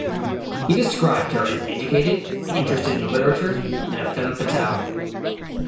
He described her as educated, interested in literature, and a femme fatale.